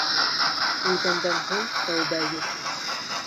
Үлгәндән һун тәүбә юҡ.